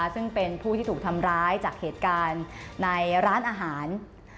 ซึ่งเป็นผู้ที่ถูกทำร้ายจากเหตุการณ์ในร้านอาหาร